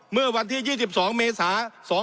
เมื่อวันที่๒๒เมษา๒๕๖